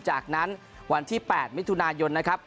จากนั้นวันที่๘มิถุนายนนะครับ